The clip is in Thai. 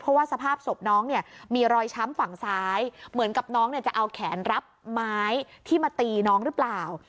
เพราะว่าสภาพศพน้องเนี่ยมีรอยช้ำฝั่งซ้ายเหมือนกับน้องเนี่ยจะเอาแขนรับไม้ที่มาตีน้องหรือเปล่า